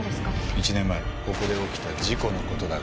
１年前、ここで起きた事故のことだが。